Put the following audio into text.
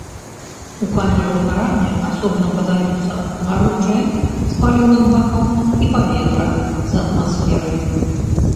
У камеру згарання асобна падаюцца гаручае з паліўных бакаў і паветра з атмасферы.